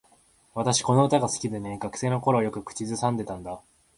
私、この歌が好きでね。学生の頃はよく口ずさんでたんだ。